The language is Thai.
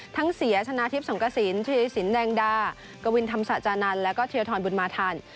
ทั้งเสียชนะทิพย์สองกระสินชีวิตสินแดงดากวินธรรมสจานันทร์และเทียทรอนบุญมาธรรม